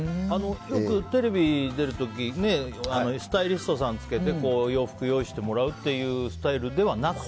よくテレビに出る時にスタイリストさんをつけて洋服を用意してもらうっていうスタイルではなくて？